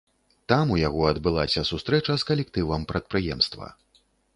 Там у яго адбылася сустрэча з калектывам прадпрыемства.